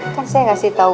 kan saya kasih tau